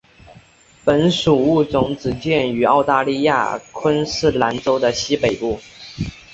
本属物种只见于澳大利亚昆士兰州的西北部。